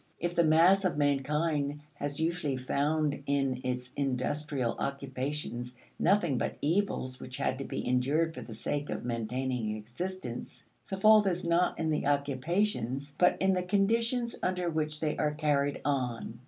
If the mass of mankind has usually found in its industrial occupations nothing but evils which had to be endured for the sake of maintaining existence, the fault is not in the occupations, but in the conditions under which they are carried on.